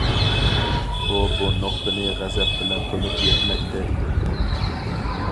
ئۇ بۇ نۇقتىنى غەزەپ بىلەن تونۇپ يەتمەكتە ئىدى.